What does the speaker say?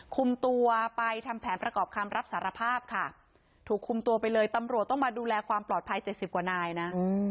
คุมตัวไปทำแผนประกอบคำรับสารภาพค่ะถูกคุมตัวไปเลยตำรวจต้องมาดูแลความปลอดภัย๗๐กว่านายนะ